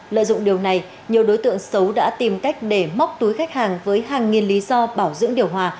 lợi dụng điều này nhiều đối tượng xấu đã tìm cách để móc túi khách hàng với hàng nghìn lý do bảo dưỡng điều hòa